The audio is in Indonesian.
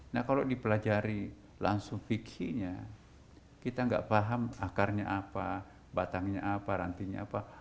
nah kalau dipelajari langsung fikihnya kita nggak paham akarnya apa batangnya apa rantinya apa